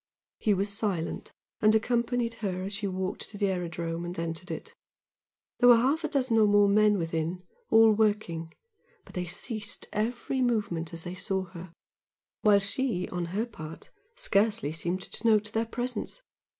He was silent, and accompanied her as she walked to the aerodrome and entered it. There were half a dozen or more men within, all working but they ceased every movement as they saw her, while she, on her part, scarcely seemed to note their presence.